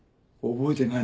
覚えてない。